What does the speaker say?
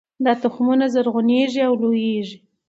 دا تخمونه زرغونیږي او لوییږي